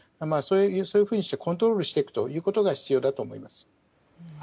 そういうふうにしてコントロールしていくことが必要だと思います。